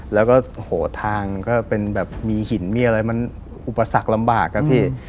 แล้วก็ทางมีหินมีอะไรมันอุปสรรคลำบากครับพี่